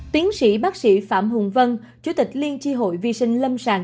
tiến sĩ bác sĩ phạm hùng vân chủ tịch liên tri hội vi sinh lâm sàng